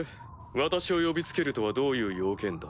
私を呼びつけるとはどういう用件だ？